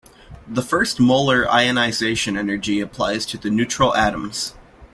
The first molar ionization energy applies to the neutral atoms.